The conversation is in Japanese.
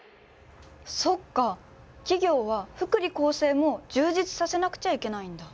そっか企業は福利厚生も充実させなくちゃいけないんだ。